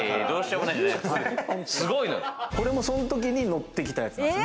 これもそん時に乗ってきたやつなんです。